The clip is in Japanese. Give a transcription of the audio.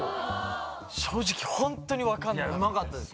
正直ホントに分かんなかったです